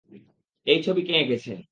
এই ছবি কে এঁকেছে?